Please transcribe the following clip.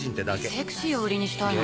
セクシーを売りにしたいの？